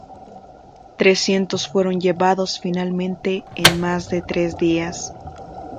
Trescientos fueron llevados finalmente en más de tres días.